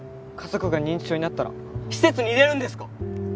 家族が認知症になったら施設に入れるんですか？